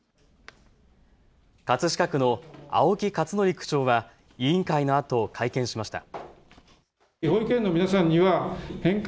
葛飾区の青木克徳区長は委員会のあと会見しました。